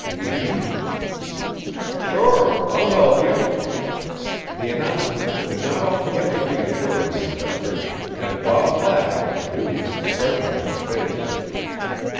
"We?" "Sure! I'll help you." The announcement did not altogether reassure the inventor, and Bob laughed at the dubious expression of his face.